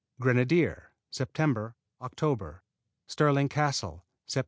Grenadier Sept., Oct. Stirling Castle Sept.